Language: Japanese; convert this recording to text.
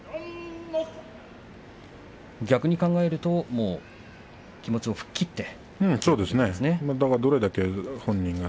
逆に考えるともう気持ちを吹っ切って。